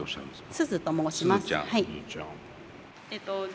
スズと申します。